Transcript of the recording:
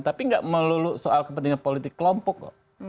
tapi nggak melulu soal kepentingan politik kelompok kok